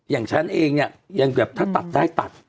อย่างฉันเองเนี่ยถ้าตัดได้ตัด